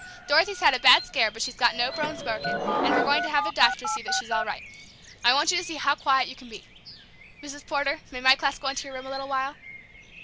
Dorothy's had a bad scare, but she's got no bones broken, and we're going to have a doctor see that she's all right. I want you to see how quiet you can be. Mrs. Porter, may my class go into your room a little while?"